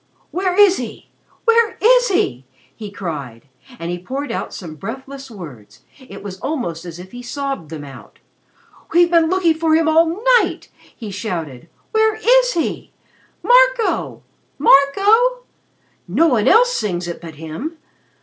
"Where is he! Where is he!" he cried, and he poured out some breathless words; it was almost as if he sobbed them out. "We've been looking for him all night!" he shouted. "Where is he! Marco! Marco! No one else sings it but him.